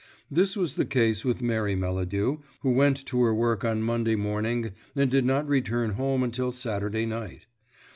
This was the case with Mary Melladew, who went to her work on Monday morning and did not return home until Saturday night.